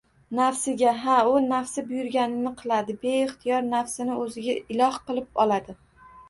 Nafsiga!.. Ha, u nafsi buyurganini qiladi, beixtiyor nafsini o‘ziga iloh qilib oladi.